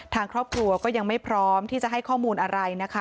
ทางครอบครัวก็ยังไม่พร้อมที่จะให้ข้อมูลอะไรนะคะ